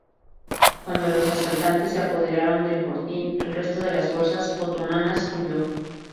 Cuando los asaltantes se apoderaron del fortín, el resto de las fuerzas otomanas huyó.